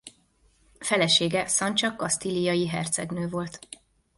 Felesége Sancha kasztíliai hercegnő volt.